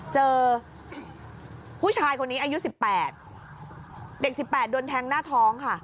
เจอผู้ชายคนนี้อายุ๑๘เด็ก๑๘โดนแทงหน้าท้องค่ะ